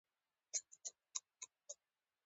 ازادي راډیو د طبیعي پېښې په اړه د عبرت کیسې خبر کړي.